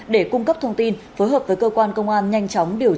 để cung cấp thông tin phối hợp với cơ quan công an nhanh chóng điều tra xử lý